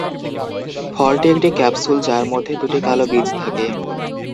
ফলটি একটি ক্যাপসুল যার মধ্যে দুটি কালো বীজ থাকে।